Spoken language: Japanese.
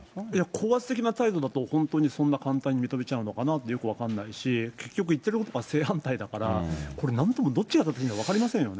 高圧的な態度だと本当にそんな簡単に認めちゃうのかなって、よく分かんないし、結局言ってることが正反対だから、これなんとも、どっちがどっちか分かりませんよね。